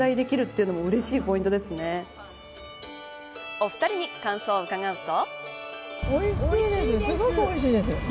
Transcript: お二人に感想を伺うと。